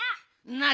なあ